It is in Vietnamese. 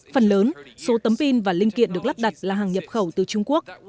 phần lớn số tấm pin và linh kiện được lắp đặt là hàng nhập khẩu từ trung quốc